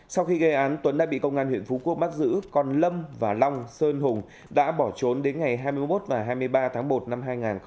sau khi gây án tuấn đã bị công an huyện phú quốc bắt giữ còn lâm và long sơn hùng đã bỏ trốn đến ngày hai mươi một và hai mươi ba tháng một năm hai nghìn hai mươi